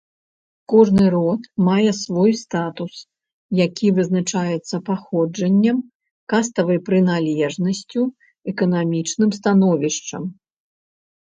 Кожны род мае свой статус, які вызначаецца паходжаннем, каставай прыналежнасцю, эканамічным становішчам.